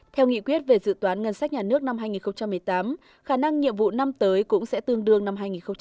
theo nghị quyết về dự toán ngân sách nhà nước năm hai nghìn một mươi tám khả năng nhiệm vụ năm tới cũng sẽ tương đương năm hai nghìn một mươi chín